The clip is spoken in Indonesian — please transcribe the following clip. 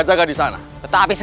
tidak ada yang menjaga